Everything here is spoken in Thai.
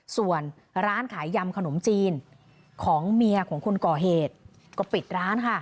ส่วนร้านขายยำขนมจีนของเมียของคนก่อเหตุก็ปิดร้านค่ะ